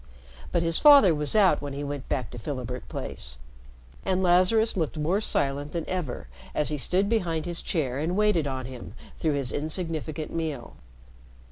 But his father was out when he went back to Philibert Place, and Lazarus looked more silent than ever as he stood behind his chair and waited on him through his insignificant meal.